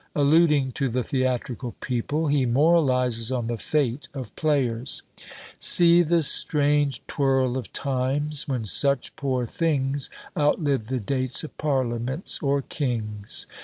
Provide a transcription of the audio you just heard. Alluding to the theatrical people, he moralises on the fate of players: See the strange twirl of times; when such poor things Outlive the dates of parliaments or kings!